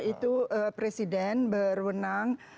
itu presiden berwenang